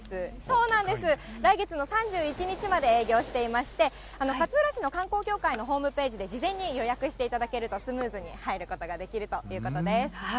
そうなんです、来月の３１日まで営業していまして、勝浦市の観光協会のホームページで事前に予約していただけるとスムーズに入ることができるということです。